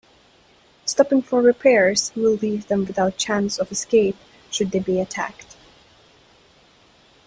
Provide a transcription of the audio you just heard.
Stopping for repairs will leave them without chance of escape should they be attacked.